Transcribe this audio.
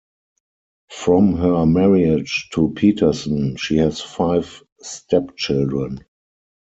From her marriage to Peterson, she has five stepchildren.